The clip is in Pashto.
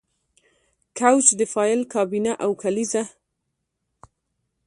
کوچ د فایل کابینه او کلیزه